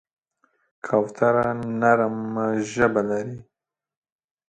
کوتره نرمه ژبه لري.